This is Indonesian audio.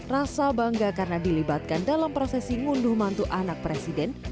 rasa bangga karena dilibatkan dalam prosesi ngunduh mantu anak presiden